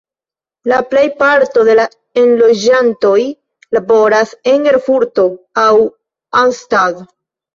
La plejparto de la enloĝantoj laboras en Erfurto aŭ Arnstadt.